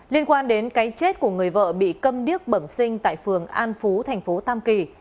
liên quan đến cái chết của người vợ bị cầm điếc bẩm sinh tại phường an phú thành phố tam kỳ